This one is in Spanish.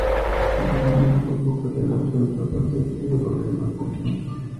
El Remington fue un pistolero a sueldo al servicio del Gobierno de aquel entonces.